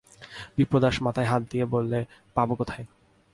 বিপ্রদাস মাথায় হাত দিয়ে বললে, পাব কোথায়?